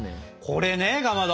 これねかまど！